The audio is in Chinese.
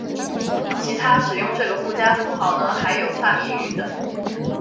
其他使用这个附加符号的还有萨米语等。